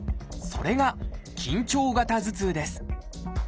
それが「緊張型頭痛」です。